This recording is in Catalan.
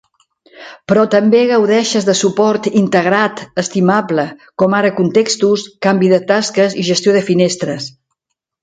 Però també gaudeixes de suport integrat estimable, com ara contextos, canvi de tasques i gestió de finestres.